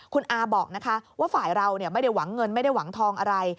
คุณอาบอกนะคะว่าฝ่ายเราไม่ได้หวังเงินไม่ได้หวังทองอะไร